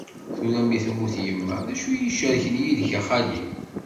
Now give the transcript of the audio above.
Tura mi temmut yemma, d acu i yi-icerken yid-k, a xali?